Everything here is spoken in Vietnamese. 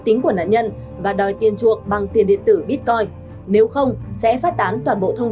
tính của nạn nhân và đòi tiền chuộng bằng tiền điện tử bitcoin nếu không sẽ phát tán toàn bộ thông